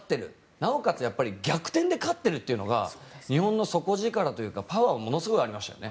なおかつ逆転で勝ってるというのが日本の底力というかパワーはものすごくありましたね。